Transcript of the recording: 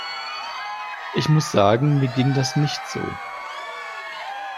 Ich muss sagen, mir ging das nicht so.